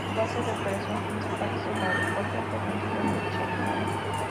Su base de operaciones principal es el Aeropuerto Internacional de Chennai.